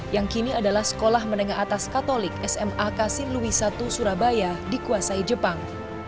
yang kini adalah sekolah menengah atas katolik sma kasilui satu surabaya dikuasai jepang